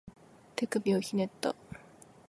手首をひねった